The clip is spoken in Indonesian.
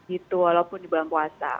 itu walaupun di bulan puasa